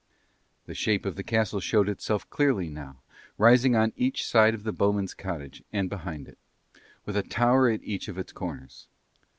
The shape of the castle showed itself clearly now, rising on each side of the bowmen's cottage and behind it, with a tower at each of its corners.